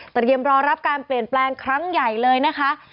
เตรียมรอรับการเปลี่ยนแปลงครั้งใหญ่เลยนะคะ